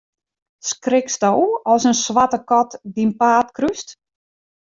Skriksto as in swarte kat dyn paad krúst?